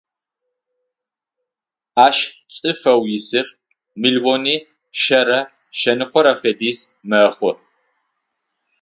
Ащ цӏыфэу исыр миллиони шъэрэ шъэныкъорэ фэдиз мэхъу.